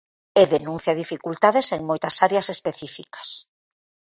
E denuncia dificultades en moitas áreas específicas.